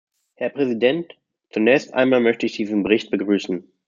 Herr Präsident, zunächst einmal möchte ich diesen Bericht begrüßen.